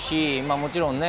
もちろんですね。